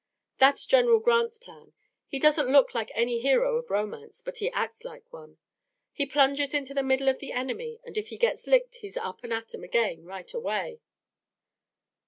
"That's General Grant's plan. He doesn't look like any hero of romance, but he acts like one. He plunges into the middle of the enemy, and if he gets licked he's up and at 'em again right away."